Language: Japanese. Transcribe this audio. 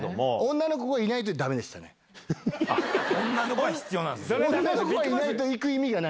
女の子は必要なんですね。